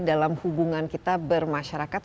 dalam hubungan kita bermasyarakat